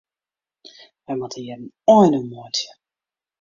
Wy moatte hjir in ein oan meitsje.